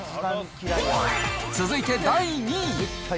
続いて第２位。